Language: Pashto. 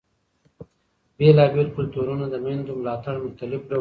بېلابېل کلتورونه د مېندو ملاتړ مختلف ډول لري.